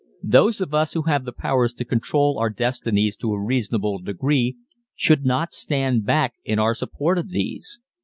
Those of us who have the power to control our destinies to a reasonable degree should not stand back in our support of these.